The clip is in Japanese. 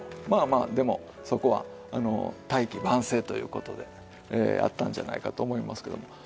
まあまあでもそこは大器晩成という事であったんじゃないかと思いますけども。